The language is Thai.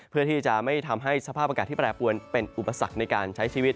เพื่อที่จะไม่ทำให้สภาพอากาศที่แปรปวนเป็นอุปสรรคในการใช้ชีวิต